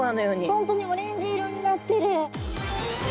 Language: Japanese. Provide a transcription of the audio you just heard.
本当にオレンジ色になってる。